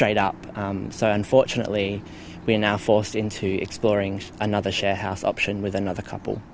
jadi kemungkinan ini kami sekarang terpaksa mencari uang untuk membeli uang untuk membeli uang lain